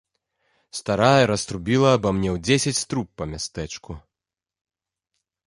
Старая раструбіла аба мне ў дзесяць труб па мястэчку.